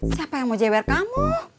siapa yang mau jeber kamu